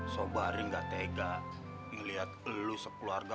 sobaring gak tega ngeliat lo sekeluarga